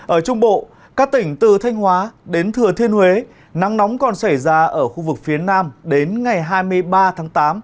ở trung bộ các tỉnh từ thanh hóa đến thừa thiên huế nắng nóng còn xảy ra ở khu vực phía nam đến ngày hai mươi ba tháng tám